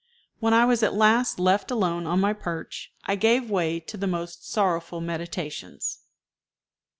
When I was at last left alone on my perch, I gave way to the most sorrowful meditations.